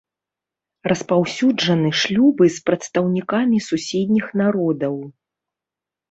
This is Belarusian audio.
Распаўсюджаны шлюбы з прадстаўнікамі суседніх народаў.